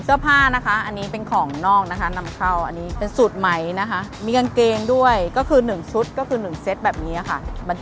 เสื้อผ้านะคะอันนี้เป็นของนอกนะคะนำเข้าอันนี้เป็นสูตรไหมนะคะ